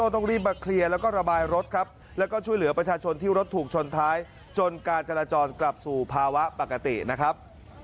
ที่รถถูกชนท้ายจนการจรจรกลับสู่ภาวะปกตินะครับ